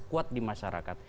kuat di masyarakat